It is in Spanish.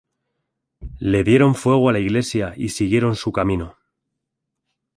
Le dieron fuego a la iglesia y siguieron su camino.